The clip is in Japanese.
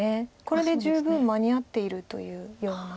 これで十分間に合っているというような。